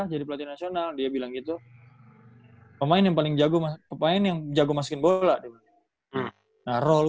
jadi pelatih nasional dia bilang gitu pemain yang paling jago masing masing bola nah role